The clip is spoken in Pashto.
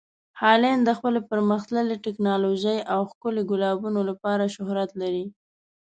هالنډ د خپلې پرمخ تللې ټکنالوژۍ او ښکلي ګلابونو لپاره شهرت لري.